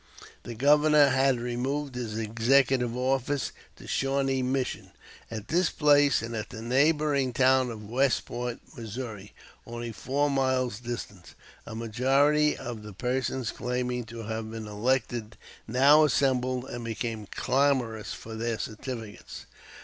The Governor had removed his executive office to Shawnee Mission. At this place, and at the neighboring town of Westport, Missouri, only four miles distant, a majority of the persons claiming to have been elected now assembled and became clamorous for their certificates.